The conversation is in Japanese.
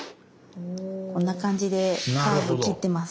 こんな感じでカーブを切ってます。